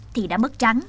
thì đã mất trắng